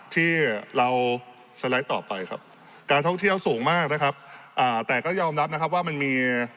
ที่เราสไลด์ต่อไปครับการท่องเที่ยวสูงมากนะครับอ่าแต่ก็ยอมรับนะครับว่ามันมี